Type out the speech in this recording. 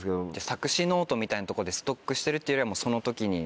作詞ノートみたいなとこでストックしてるっていうよりはその時に。